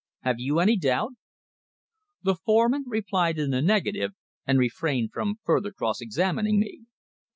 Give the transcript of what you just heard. Have you any doubt?" The foreman replied in the negative, and refrained from further cross examining me.